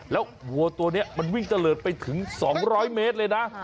แล้ววัวตัวนี้มันวิ่งตะเลิศไปถึง๒๐๐เมตรเลยนะ